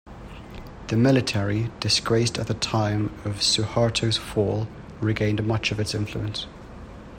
The military, disgraced at the time of Suharto's fall, regained much of its influence.